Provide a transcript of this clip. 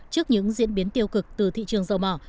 trước những diễn biến tiêu cực từ thị trường dầu mỏ